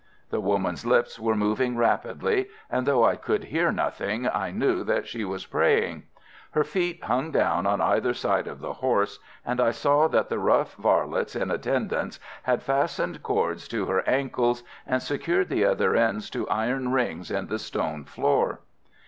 The woman's lips were moving rapidly, and though I could hear nothing, I knew that she was praying. Her feet hung down on either side of the horse, and I saw that the rough varlets in attendance had fastened cords to her ankles and secured the other ends to iron rings in the stone floor.